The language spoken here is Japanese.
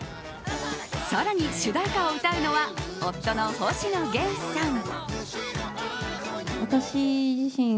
更に、主題歌を歌うのは夫の星野源さん。